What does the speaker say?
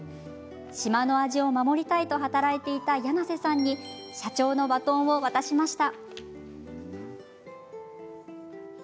島の味を守りたいと働いていた柳瀬さんに社長のバトンを渡しました。